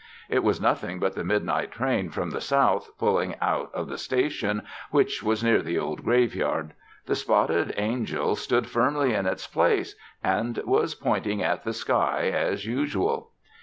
It was nothing but the midnight train from the south pulling out of the station which was near the old graveyard. The spotted angel stood firmly in its place and was pointing at the sky as usual.